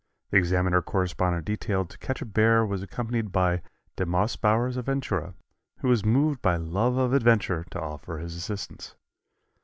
The Examiner correspondent detailed to catch a bear was accompanied by De Moss Bowers of Ventura, who was moved by love of adventure to offer his assistance.